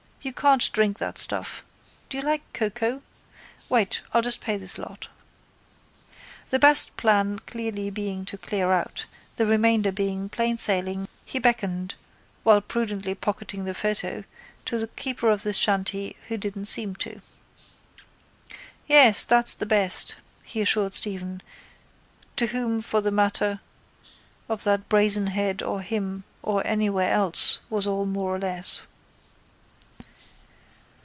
You can't drink that stuff. Do you like cocoa? Wait. I'll just pay this lot. The best plan clearly being to clear out, the remainder being plain sailing, he beckoned, while prudently pocketing the photo, to the keeper of the shanty who didn't seem to. —Yes, that's the best, he assured Stephen to whom for the matter of that Brazen Head or him or anywhere else was all more or less.